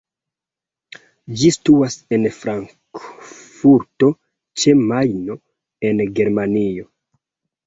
Ĝi situas en Frankfurto ĉe Majno, en Germanio.